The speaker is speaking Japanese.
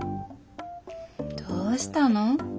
どうしたの？